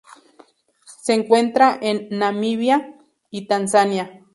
Se encuentra en Namibia y Tanzania.